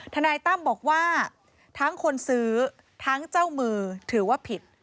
นายตั้มบอกว่าทั้งคนซื้อทั้งเจ้ามือถือว่าผิด